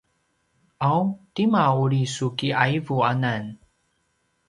’aw tima a uri su ki’aivuanan?